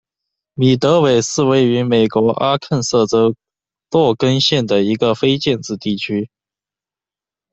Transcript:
米德韦是位于美国阿肯色州洛根县的一个非建制地区。